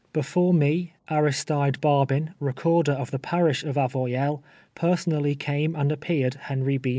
Before me, Aristide Barl)in, Recorder of the parish of Avoy elles, personally came and appeared Henry B.